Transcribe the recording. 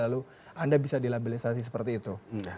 lalu anda bisa dilabelisasi seperti itu